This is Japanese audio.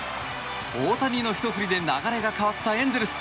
大谷の一振りで流れが変わったエンゼルス。